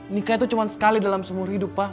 nikah itu cuma sekali dalam seumur hidup pak